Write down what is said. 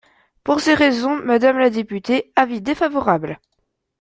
Pour ces raisons, madame la députée, avis défavorable.